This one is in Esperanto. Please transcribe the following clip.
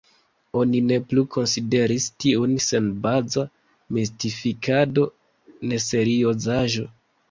Oni ne plu konsideris tiun senbaza mistifikado, neseriozaĵo.